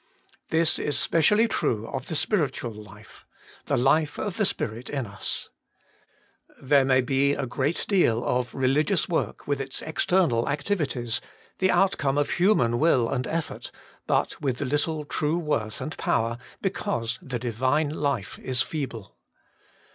This is specially true of the spiritual life — the life of the Spirit in us. There may be a great deal of religious work with its exter nal activities, the outcome of human will and effort, with but little true worth and power, because the Divine life is feeble.